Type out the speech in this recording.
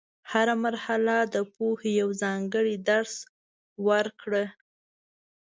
هره مرحله د پوهې یو ځانګړی درس ورکړه.